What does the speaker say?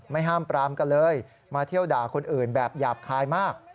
ห้ามปรามกันเลยมาเที่ยวด่าคนอื่นแบบหยาบคายมาก